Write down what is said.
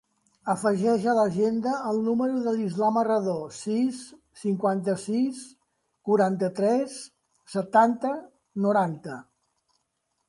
Afegeix a l'agenda el número de l'Islam Herrador: sis, cinquanta-sis, quaranta-tres, setanta, noranta.